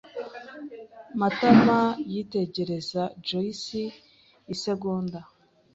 Matama yitegereza Joyci isegonda.